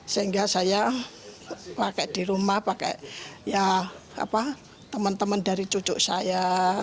sehingga saya pakai di rumah pakai teman teman dari cucu saya